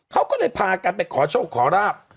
เขาก็เลยพากันไปขอโชคขอราบ